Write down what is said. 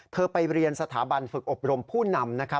เธอไปเรียนสถาบรรยายฝึกอับรมผู้นำ